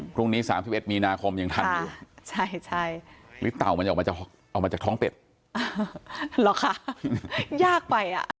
พรุ่งนี้๓๑มีนาคมอย่างนั้นนี่เต่ามันจะออกมาจากท้องเป็ดหรอค่ะยากไปอ่ะ